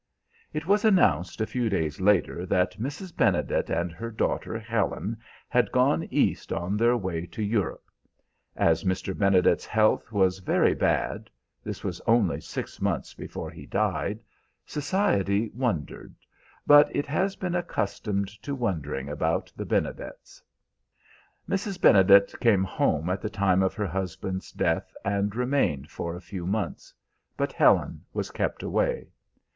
"It was announced a few days later that Mrs. Benedet and her daughter Helen had gone East on their way to Europe. As Mr. Benedet's health was very bad, this was only six months before he died, society wondered; but it has been accustomed to wondering about the Benedets. "Mrs. Benedet came home at the time of her husband's death and remained for a few months, but Helen was kept away.